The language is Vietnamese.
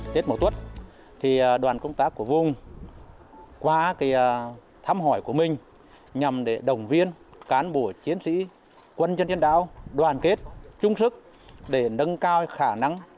tết mậu tuất đoàn công tác của vùng qua thăm hỏi của mình nhằm để đồng viên cán bộ chiến sĩ quân dân trên đảo đoàn kết chung sức để nâng cao khả năng